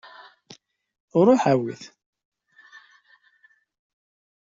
Ruḥ awi-t.